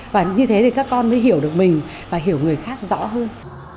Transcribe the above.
và như thế thì các con mới hiểu được mình và hiểu người khác rõ hơn